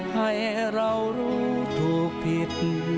ให้เรารู้ถูกผิด